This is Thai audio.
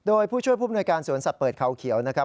โดยผู้ช่วยผู้มนวยการสวนสัตว์เปิดเขาเขียวนะครับ